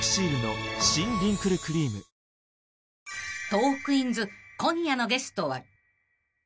［『トークィーンズ』今夜のゲストは］